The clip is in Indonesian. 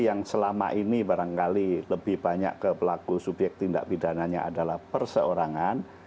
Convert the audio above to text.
yang selama ini barangkali lebih banyak ke pelaku subyek tindak pidananya adalah perseorangan